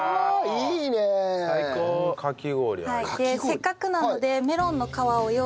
せっかくなので。